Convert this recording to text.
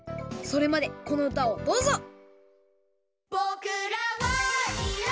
それまでこのうたをどうぞ！